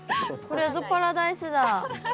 これぞパラダイスだ。